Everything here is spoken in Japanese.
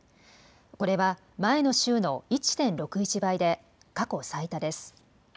これは、前の週の１．６１倍で、過去最多です。